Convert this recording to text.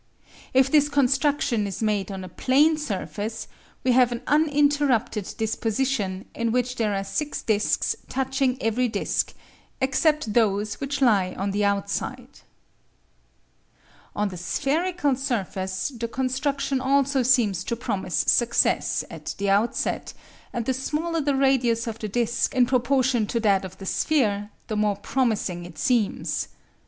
If this construction is made on a plane surface, we have an uninterrupted disposition in which there are six discs touching every disc except those which lie on the outside. [Figure 1: Discs maximally packed on a plane] On the spherical surface the construction also seems to promise success at the outset, and the smaller the radius of the disc in proportion to that of the sphere, the more promising it seems.